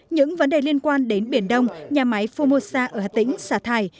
những vấn đề liên quan đến biển đông nhà máy phomosa ở hà tĩnh sà thải